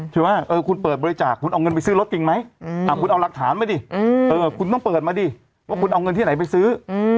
ใช่ไหมคุณเปิดบริจาคคุณเอาเงินไปซื้อรถจริงไหมคุณเอาหลักฐานมาดิคุณต้องเปิดมาดิว่าคุณเอาเงินที่ไหนไปซื้อ